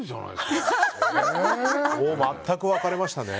全く分かれましたね。